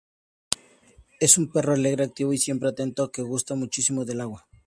Es un perro alegre, activo y siempre atento, que gusta muchísimo del agua.